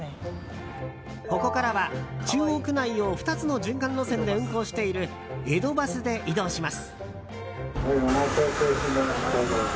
ここからは中央区内を２つの循環路線で運行している江戸バスで移動します。